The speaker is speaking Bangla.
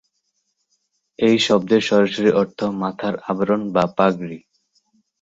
এই শব্দের সরাসরি অর্থ "মাথার-আবরণ বা পাগড়ি"।